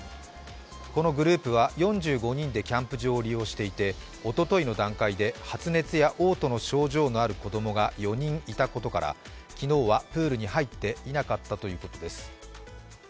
このグループは４５人でキャンプ場を利用していておとといの段階で発熱やおう吐の症状がある子供が４人いたことから昨日はプールに入っていなかったということです。